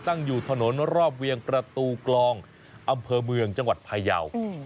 ตั้งอยู่ถนนรอบเวียงประตูกลองอำเภอเมืองจังหวัดพายาว